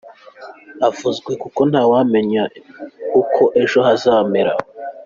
avuzwe kuko ntawamenya uko ejo hazamera.